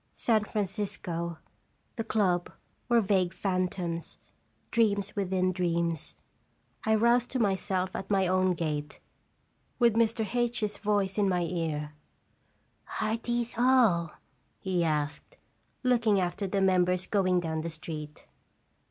San Francisco, the club, were vague phantoms, dreams within dreams. I roused to myself at my own gate, with Mr. H 's voice in my ear: "Are these all?" he asked, looking after the members going down the street.